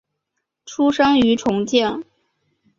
出生于重庆。